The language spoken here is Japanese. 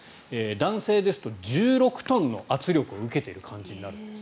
男性ですと１６トンの圧力を受けている感じになるそうです。